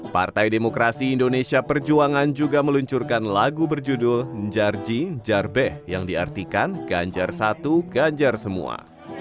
partai demokrasi indonesia perjuangan juga meluncurkan lagu berjudul jarji jarbe yang diartikan ganjar satu ganjar semua